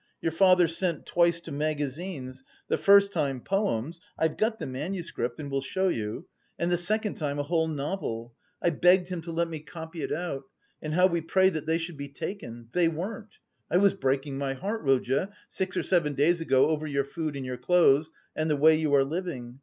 Your father sent twice to magazines the first time poems (I've got the manuscript and will show you) and the second time a whole novel (I begged him to let me copy it out) and how we prayed that they should be taken they weren't! I was breaking my heart, Rodya, six or seven days ago over your food and your clothes and the way you are living.